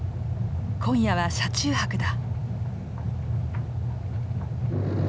今夜は車中泊だ。